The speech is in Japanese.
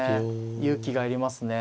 勇気がいりますね。